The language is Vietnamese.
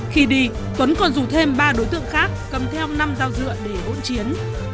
khi đi tuấn còn rủ thêm ba đối tượng khác cầm theo năm dao dựa để hỗn chiến